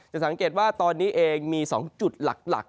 สังเกตว่าตอนนี้เองมี๒จุดหลัก